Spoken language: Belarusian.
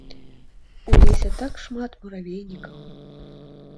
У лесе так шмат муравейнікаў.